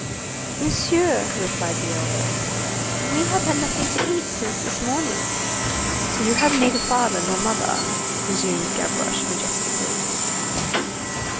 "Monsieur," replied the elder, "we have had nothing to eat since this morning." "So you have neither father nor mother?" resumed Gavroche majestically.